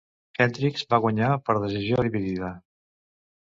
Hendricks va guanyar per decisió dividida.